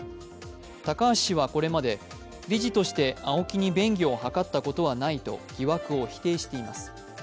高橋氏はこれまで理事としてＡＯＫＩに便宜を図ったことはないと疑惑を否定しています。